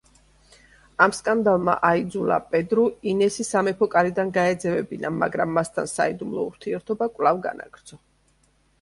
ამ სკანდალმა აიძულა პედრუ ინესი სამეფო კარიდან გაეძევებინა, მაგრამ მასთან საიდუმლო ურთიერთობა კვლავ განაგრძო.